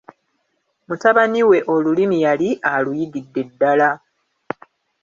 Mutabani we olulimi yali aluyigidde ddala.